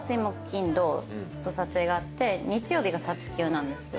金土と撮影があって日曜日が撮休なんですよ。